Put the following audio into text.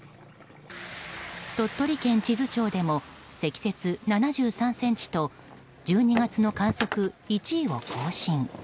鳥取県智頭町でも積雪７３ｃｍと１２月の観測１位を更新。